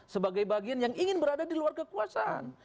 sebagai bagian yang ingin berada di luar kekuasaan